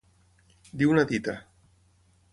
Dir una dita.